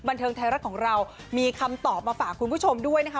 บันเทิงไทยรัฐของเรามีคำตอบมาฝากคุณผู้ชมด้วยนะคะ